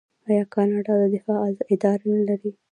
آیا کاناډا د دفاع اداره نلري؟